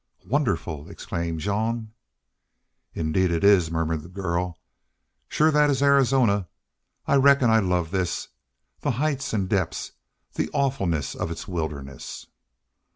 "Wonderful!" exclaimed Jean. "Indeed it is!" murmured the girl. "Shore that is Arizona. I reckon I love THIS. The heights an' depths the awfulness of its wilderness!"